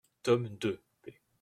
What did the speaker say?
Tome deux, p.